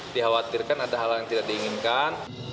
dikhawatirkan ada hal hal yang tidak diinginkan